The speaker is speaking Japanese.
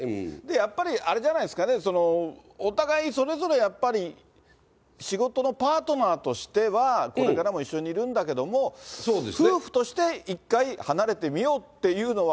やっぱりあれじゃないですかね、お互い、それぞれやっぱり仕事のパートナーとしては、これからも一緒にいるんだけれども、夫婦として一回離れてみようというのは、